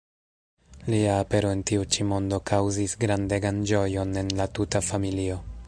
Lia apero en tiu ĉi mondo kaŭzis grandegan ĝojon en la tuta familio.